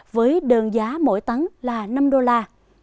với đơn giá mỗi tấn là năm triệu tấn